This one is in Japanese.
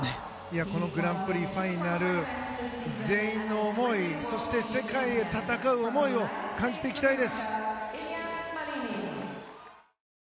このグランプリファイナル全員の思いそして、世界で戦う思いを感じていきたいです。